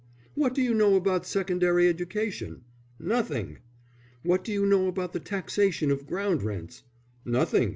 "What do you know about Secondary Education?" "Nothing!" "What do you know about the Taxation of Ground Rents?" "Nothing!"